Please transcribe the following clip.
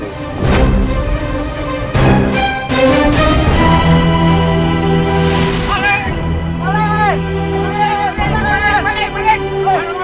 malik malik malik malik